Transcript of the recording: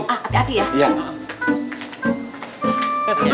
lu kocok takut saud council